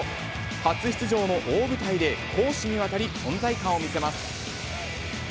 初出場の大舞台で攻守にわたり存在感を見せます。